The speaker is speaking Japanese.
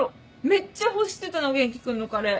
めっちゃ欲してたの元気君のカレー。